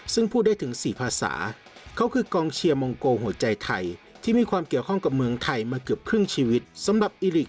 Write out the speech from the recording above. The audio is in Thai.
ซึ่งพูดได้ถึง๔ภาษา